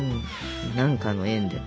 何かの縁で。